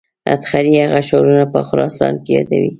اصطخري هغه ښارونه په خراسان کې یادوي.